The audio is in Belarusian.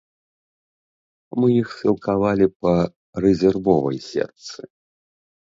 Мы іх сілкавалі па рэзервовай сетцы.